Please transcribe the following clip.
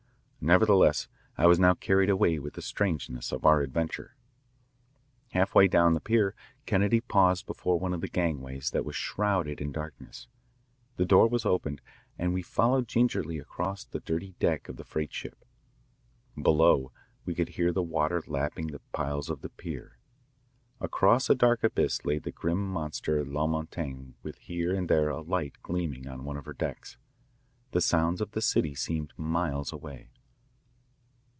Nevertheless I was now carried away with the strangeness of our adventure. Halfway down the pier Kennedy paused before one of the gangways that was shrouded in darkness. The door was opened and we followed gingerly across the dirty deck of the freight ship. Below we could hear the water lapping the piles of the pier. Across a dark abyss lay the grim monster La Montaigne with here and there a light gleaming on one of her decks. The sounds of the city seemed miles away.